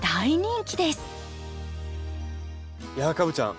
いやあカブちゃん